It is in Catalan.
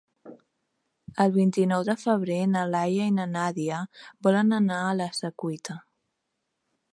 El vint-i-nou de febrer na Laia i na Nàdia volen anar a la Secuita.